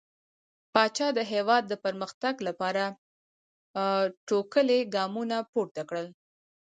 پاچا د هيواد د پرمختګ لپاره ټوکلي ګامونه پورته کړل .